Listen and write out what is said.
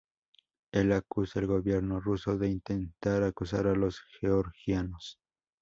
Él acusa al gobierno ruso de intentar asustar a los georgianos.